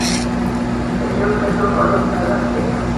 Creció en Preston Hollow, Dallas, Texas.